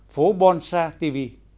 phố bonsa tv